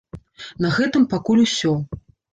На гэтым пакуль усё.